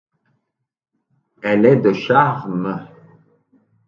Elle est de charme.